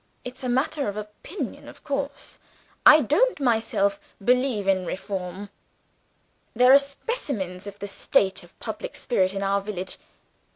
It's a matter of opinion, of course. I don't myself believe in reform.' There are specimens of the state of public spirit in our village!"